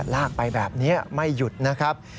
ลากไปแบบนี้ไม่หยุดนะครับ